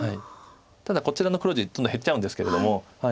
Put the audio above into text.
ただこちらの黒地どんどん減っちゃうんですけれども。